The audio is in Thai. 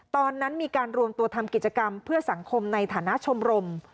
ตอนนั้นมีการรวมตัวทำกิจกรรมเพื่อสังคมในฐานะชมรม